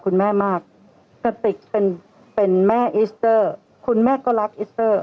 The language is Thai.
คุณแม่มากกระติกเป็นเป็นแม่อิสเตอร์คุณแม่ก็รักอิสเตอร์